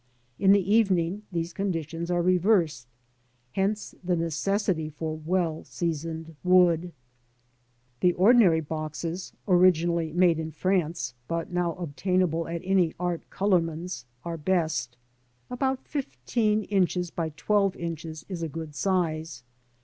In the evening these conditions are reversed ; hence the necessity for well seasoned wood. The ordinary boxes (originally made in France, but now obtainable at any art colourman's) are best. About 15 inches by 12 inches is a good size.